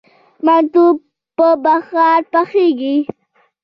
منتو په بخار پخیږي؟